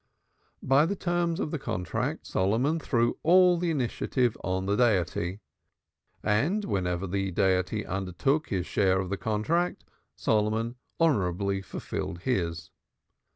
By the terms of the contract Solomon threw all the initiative on the Deity, and whenever the Deity undertook his share of the contract, Solomon honorably fulfilled his.